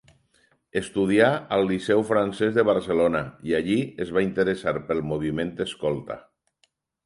Estudià al Liceu Francès de Barcelona i allí es va interessar pel moviment escolta.